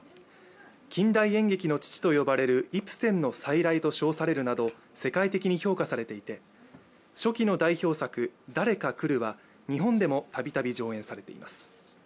近代演劇の父と呼ばれるイプセンの再来と称されるなど世界的に評価されていて、初期の代表作「誰か来る」は日本でもたびたび上演されています。